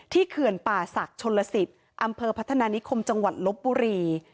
เขื่อนป่าศักดิ์ชนลสิทธิ์อำเภอพัฒนานิคมจังหวัดลบบุรี